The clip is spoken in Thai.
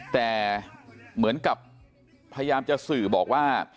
แต่เหมือนกับพยายามจะสื่อบอกว่า